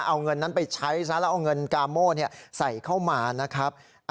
เอาเงินนั้นไปใช้ซะแล้วเอาเงินกาโม่ใส่เข้ามานะครับ